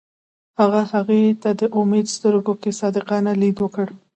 هغه هغې ته د امید سترګو کې صادقانه لید وکړ.